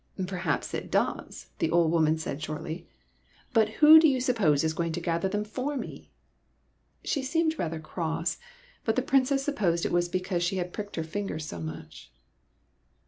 '' Perhaps it does," the old woman said shortly ;'' but who do you suppose is going to gather them for me ?" She seemed rather cross, but the Princess supposed it was because she had pricked her fingers so much.